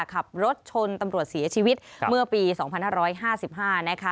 ขับรถชนตำรวจเสียชีวิตเมื่อปี๒๕๕๕นะคะ